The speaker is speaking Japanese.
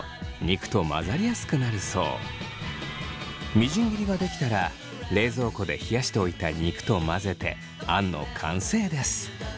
みじん切りができたら冷蔵庫で冷やしておいた肉と混ぜてあんの完成です。